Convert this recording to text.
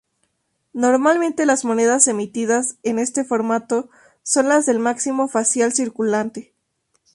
Normalmente las monedas emitidas en este formato son las del máximo facial circulante.